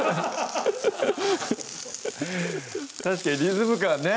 確かにリズム感ね